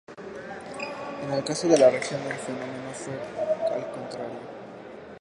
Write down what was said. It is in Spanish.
En el caso de la religión, el fenómeno fue el contrario.